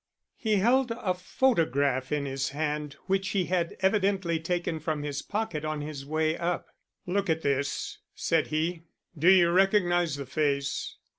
He held a photograph in his hand which he had evidently taken from his pocket on his way up. "Look at this," said he. "Do you recognize the face?"